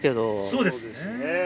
そうですね。